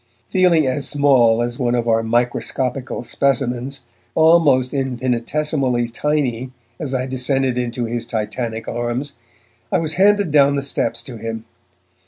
Feeling as small as one of our microscopical specimens, almost infinitesimally tiny as I descended into his Titanic arms, I was handed down the steps to him.